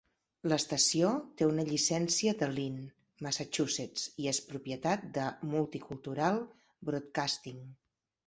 L'estació té una llicència de Lynn, Massachusetts, i és propietat de Multicultural Broadcasting.